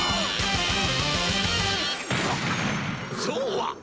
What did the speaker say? そうは。